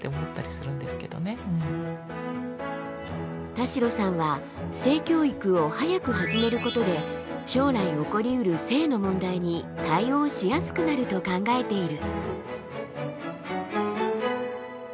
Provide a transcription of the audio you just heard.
田代さんは性教育を早く始めることで将来起こりうる性の問題に対応しやすくなると考えている。